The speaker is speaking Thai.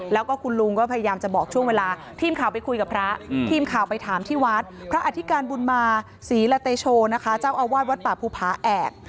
แล้วก็คุณลุงก็พยายามจะบอกช่วงเวลาทีมข่าวไปคุยกับพระทีมข่าวไปถามที่วัดพระอธิการบุญมาศรีละเตโชนะคะเจ้าอาวาสวัดป่าภูผาแอบ